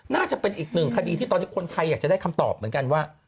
น่าจะเป็นอีกหนึ่งคดีที่ตอนนี้คนไทยอยากจะได้คำตอบเหมือนกันว่า